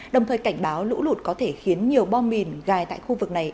đồng thời cảnh báo lũ lụt có thể khiến nhiều bom mìn gài tại khu vực này